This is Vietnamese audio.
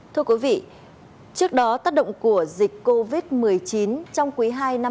thưa quý vị trước đó tác động của dịch covid một mươi chín trong quý ii năm hai nghìn hai mươi